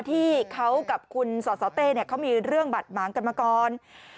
ที่เขากับคุณสสเต้เขามีเรื่องบาดหมางกันมาก่อน